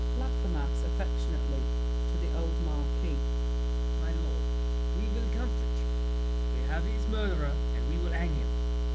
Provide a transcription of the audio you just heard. LAFFEMAS (affectionately, to the old Marquis). My lord, We'll comfort you. We have his murderer, And we will hang him.